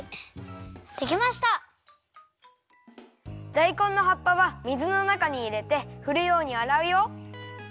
だいこんの葉っぱは水のなかにいれてふるようにあらうよ。